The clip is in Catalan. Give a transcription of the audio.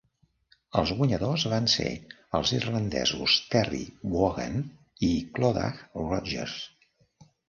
Els guanyadors van ser els irlandesos Terry Wogan i Clodagh Rodgers.